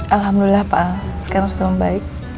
alhamdulillah pak sekarang sudah membaik